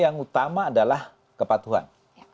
yang utama adalah kepatuhan